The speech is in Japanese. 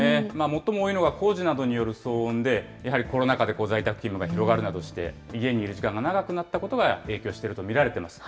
最も多いのが工事などによる騒音で、やはりコロナ禍で在宅勤務が広がるなどして、家にいる時間が長くなったことが影響していると見られています。